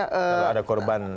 kalau ada korban